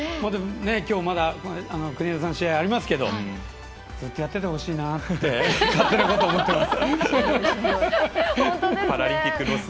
きょう、まだ国枝さんの試合ありますけどずっとやっててほしいなと勝手なことを思ってます。